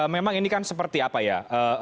memang ini kan seperti apa ya